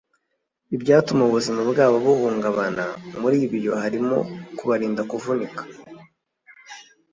ibyatuma ubuzima bwabo buhungabana Muri ibyo harimo kubarinda kuvunika